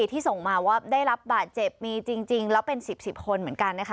ที่ส่งมาว่าได้รับบาดเจ็บมีจริงแล้วเป็น๑๐๑๐คนเหมือนกันนะคะ